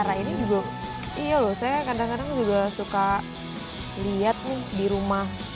nah ini juga iya loh saya kadang kadang juga suka lihat nih di rumah